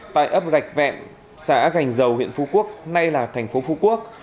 tại ấp gạch vẹn xã gành dầu huyện phú quốc nay là thành phố phú quốc